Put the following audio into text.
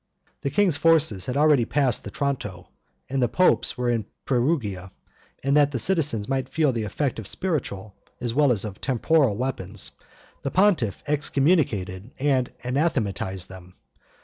The king's forces had already passed the Tronto, and the pope's were in Perugia; and that the citizens might feel the effect of spiritual as well as temporal weapons, the pontiff excommunicated and anathematized them.